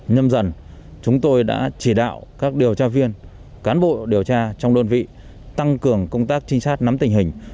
nhâm dần chúng tôi đã chỉ đạo các điều tra viên cán bộ điều tra trong đơn vị tăng cường công tác trinh sát nắm tình hình